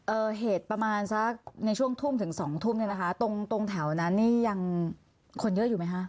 เหตุประมาณสักในช่วงทุ่มถึงสองทุ่มเนี้ยนะคะตรงตรงแถวนั้นนี่ยังคนเยอะอยู่ไหมคะ